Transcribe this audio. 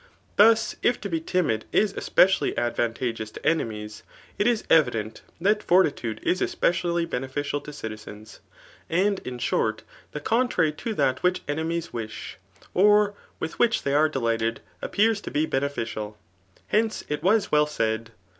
Thus, if to, be timid is eyerially advantageous to enemies, it is evident that for titude is especially beneficial to citizens. And in short, the contrary to that which enemies wish, pr with which they are delighted, appears to be beneficiaU Hence, it vras well said.